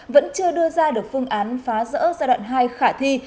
vẫn chưa đưa ra được phương án phá rỡ giai đoạn hai khả thi